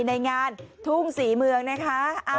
ในงานทุ่งศรีเมืองนะคะ